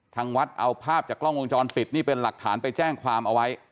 ทางวัดเอาภาพจากกล้องวงจรปิดนี่เป็นหลักฐานไปแจ้งความเอาไว้